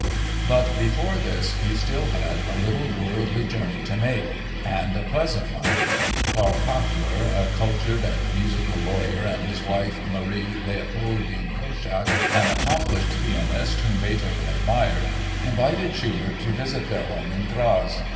But before this he still had a little worldly journey to make—and a pleasant one. Karl Pachler, a cultured and musical lawyer, and his wife, Marie Leopoldine Koschak, an accomplished pianist whom Beethoven admired, invited Schubert to visit their home in Graz.